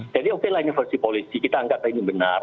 jadi oke lah ini versi polisi kita anggap ini benar